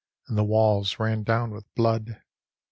And the walls ran down with blood."